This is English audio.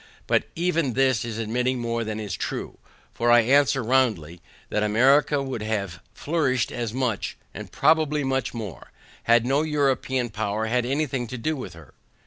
But even this is admitting more than is true, for I answer roundly, that America would have flourished as much, and probably much more, had no European power had any thing to do with her.